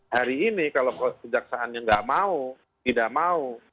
hari ini kalau kejaksaan yang tidak mau tidak mau